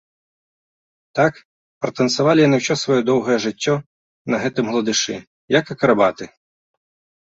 Так пратанцавалі яны ўсё сваё доўгае жыццё на гэтым гладышы, як акрабаты.